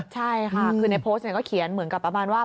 ใช่ค่ะคือในโพสต์ก็เขียนเหมือนกับประมาณว่า